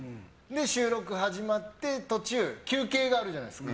収録始まって途中、休憩があるじゃないですか。